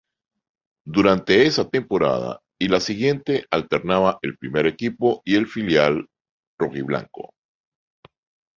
Durante esa temporada y la siguiente alternaba el primer equipo y el filial rojiblanco.